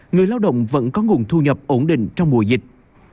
người lao động vẫn có nguồn thu nhập ổn định trong mùa dịch